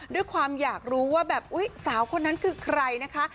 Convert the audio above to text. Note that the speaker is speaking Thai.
ด้วยความอยากรู้ว่าแบบอุ๊ยสาวคนนั้นคือใครนะคะ